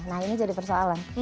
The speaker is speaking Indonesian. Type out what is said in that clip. nah ini jadi persoalan